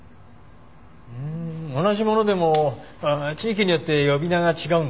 ふーん同じものでも地域によって呼び名が違うんですね。